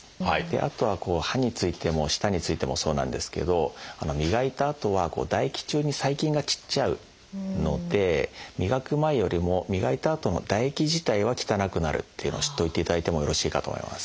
あとは歯についても舌についてもそうなんですけど磨いたあとは唾液中に細菌が散っちゃうので磨く前よりも磨いたあとの唾液自体は汚くなるっていうのを知っといていただいてもよろしいかと思います。